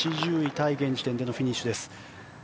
タイ、現時点でのフィニッシュです。